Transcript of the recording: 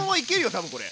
多分これ。